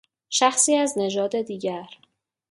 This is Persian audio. شخصی از نژاد دیگر